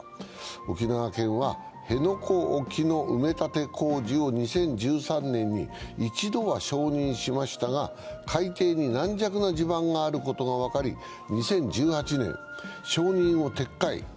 沖縄県は辺野古沖の埋め立て工事を２０１３年に一度は承認しましたが、海底に軟弱な地盤があることが分かり２０１８年、承認を撤回。